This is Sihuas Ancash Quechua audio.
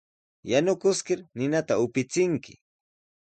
Yanukiskir ninata upichinki.